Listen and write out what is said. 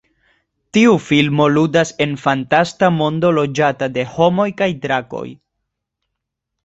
Tiu filmo ludas en fantasta mondo loĝata de homoj kaj drakoj.